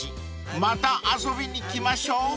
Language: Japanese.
［また遊びに来ましょう］